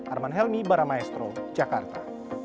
arman helmy baramaestro jakarta